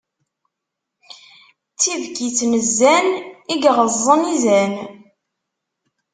D tibkit n zzan, i yeɣeẓẓen izan.